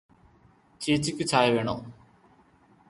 ചേച്ചിക്ക് ചായ വേണോ?